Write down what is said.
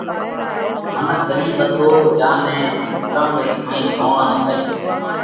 هيڪ ڳرِيٻ منک هتو جيا نئہ ڌرم رئي گھڻئِي زوڻ نتئِي